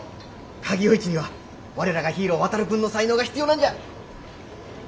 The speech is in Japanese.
萩夜市には我らがヒーロー航君の才能が必要なんじゃ！